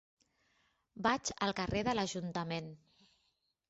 Vaig al carrer de l'Ajuntament.